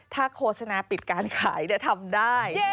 ถ้าโฆษณาปิดการขายทำได้